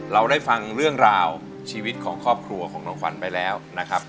เราได้ฟังเรื่องราวชีวิตของครอบครัวของน้องขวัญไปแล้วนะครับ